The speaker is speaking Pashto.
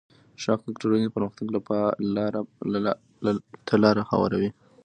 ښه اخلاق د ټولنې پرمختګ ته لاره هواروي.